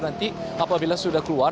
nanti apabila sudah keluar